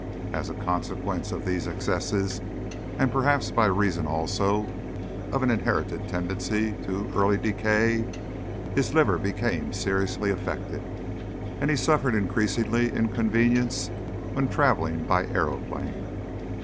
As a consequence of these excesses, and perhaps by reason also of an inherited tendency to early decay, his liver became seriously affected, and he suffered increasing inconvenience when travelling by aëroplane.